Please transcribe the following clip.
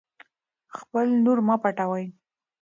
خپل نور مه پټوئ.